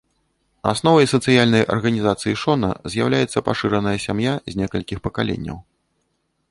Асновай сацыяльнай арганізацыі шона з'яўляецца пашыраная сям'я з некалькіх пакаленняў.